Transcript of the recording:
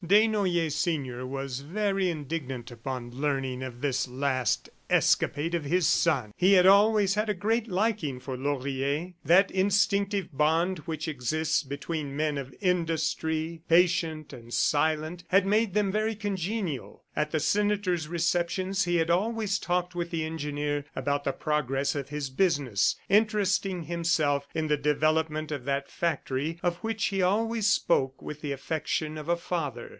Desnoyers, senior, was very indignant upon learning of this last escapade of his son. He had always had a great liking for Laurier. That instinctive bond which exists between men of industry, patient and silent, had made them very congenial. At the senator's receptions he had always talked with the engineer about the progress of his business, interesting himself in the development of that factory of which he always spoke with the affection of a father.